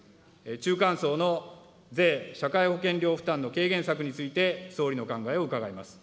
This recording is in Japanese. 中間層の税・社会保険料負担の軽減策について総理の考えを伺います。